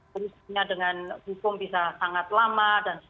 khususnya dengan hukum bisa sangat lama